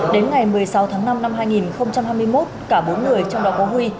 đến ngày một mươi sáu tháng năm năm hai nghìn hai mươi một cả bốn người trong đó có huy